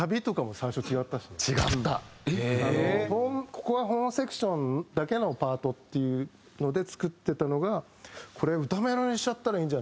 ここはホーンセクションだけのパートっていうので作ってたのが「これ歌メロにしちゃったらいいんじゃない？」